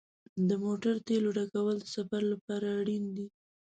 د موټر تیلو ډکول د سفر لپاره اړین دي.